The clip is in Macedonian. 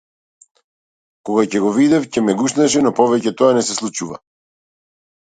Кога ќе го видев ќе ме гушнеше но повеќе тоа не се случува.